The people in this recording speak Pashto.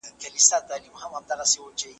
تاسي باید د پښتو ژبي د سواد کچه لوړه کړئ